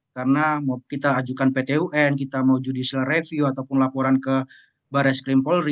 karena kita ajukan pt un kita mau judicial review ataupun laporan ke baris krimpolri